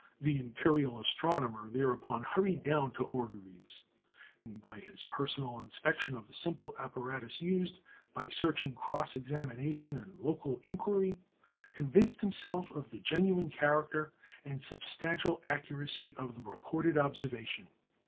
The Imperial Astronomer thereupon hurried down to Orgères, and by personal inspection of the simple apparatus used, by searching cross examination and local inquiry, convinced himself of the genuine character and substantial accuracy of the reported observation.